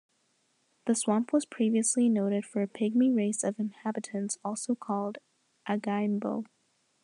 The swamp was previously noted for a Pygmy race of inhabitants also called Agaiambo.